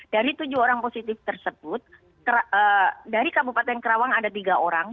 dari tujuh orang positif tersebut dari kabupaten kerawang ada tiga orang